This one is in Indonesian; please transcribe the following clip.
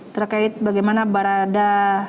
terkait bagaimana berada